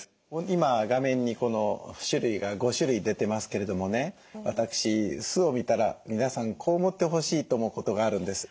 今画面に種類が５種類出てますけれどもね私酢を見たら皆さんこう思ってほしいと思うことがあるんです。